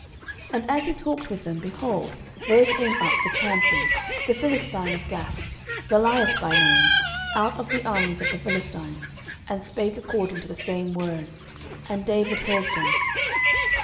09:017:023 And as he talked with them, behold, there came up the champion, the Philistine of Gath, Goliath by name, out of the armies of the Philistines, and spake according to the same words: and David heard them.